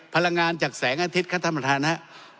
พลังงานจากแสงอาทิตย์ข้างธรรมธานะ